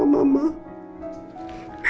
nanti mama marah